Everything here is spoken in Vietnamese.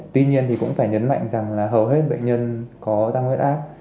tuy nhiên thì cũng phải nhấn mạnh rằng là hầu hết bệnh nhân có tăng huyết áp